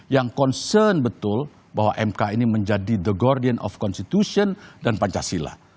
dan concern betul bahwa mk ini menjadi the guardian of constitution dan pancasila